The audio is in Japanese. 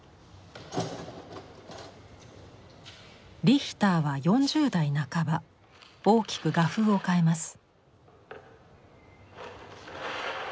リヒターは４０代半ば大きく画風を変えます。